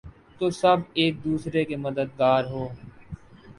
تو سب ایک دوسرے کے مددگار ہوں۔